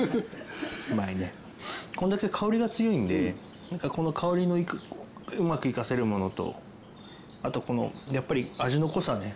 こんだけ香りが強いんでこの香りをうまく生かせるものとあとこの味の濃さね。